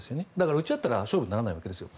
撃ち合ったら勝負にならないわけですよ。